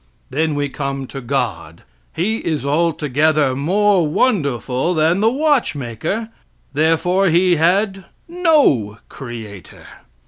Then we come to God; He is altogether more wonderful than the watchmaker, therefore He had no creator.